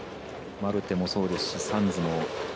マルテもそうですしサンズも。